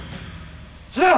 知らん！